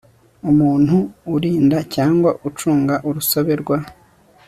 umuntu urinda cyangwa ucunga urusobe rwa